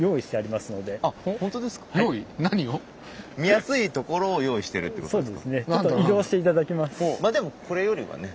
まあでもこれよりはね。